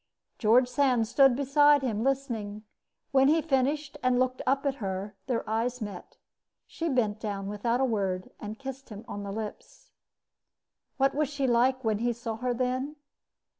George Sand stood beside him, listening. When he finished and looked up at her, their eyes met. She bent down without a word and kissed him on the lips. What was she like when he saw her then?